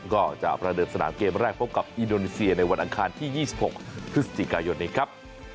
ก็จะประเดิมสนามเกมแรกพบกับอินโดนีเซียในวันอังคารที่๒๖พฤศจิกายนนี้ครับ